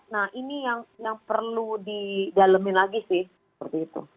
nah ini yang perlu didalemin lagi sih